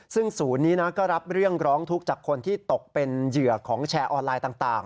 ซึ่งศูนย์นี้ก็รับเรื่องร้องทุกข์จากคนที่ตกเป็นเหยื่อของแชร์ออนไลน์ต่าง